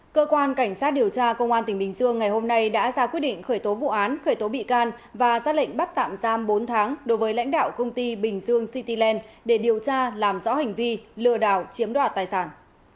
cơ quan cảnh sát điều tra công an tỉnh bình dương ngày hôm nay đã ra quyết định khởi tố vụ án khởi tố bị can và ra lệnh bắt tạm giam bốn tháng đối với lãnh đạo công ty bình dương cityland để điều tra làm rõ hành vi lừa đảo chiếm đoạt tài sản